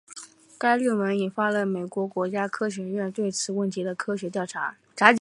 该论文引发了美国国家科学院对此问题的科学调查。